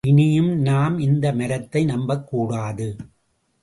இனியும் நாம் இந்த மரத்தை நம்பக்கூடாது.